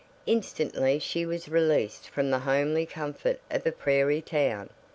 Instantly she was released from the homely comfort of a prairie town.